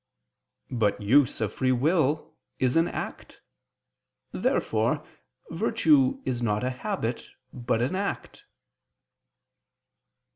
But use of free will is an act. Therefore virtue is not a habit, but an act.